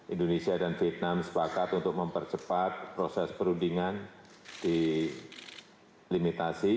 indonesia dan vietnam sepakat untuk mempercepat proses perundingan di limitasi